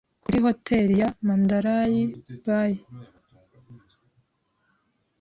kuri hoteli ya Mandalay Bay,